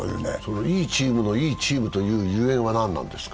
いいチームの「いいチーム」たるゆえんは何ですか？